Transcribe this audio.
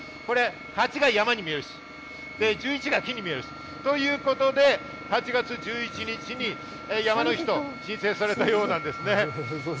八が山に見える、１１が木に見えるということで８月１１日に山の日と申請されたようなんですね。